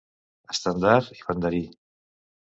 Estendard i banderí.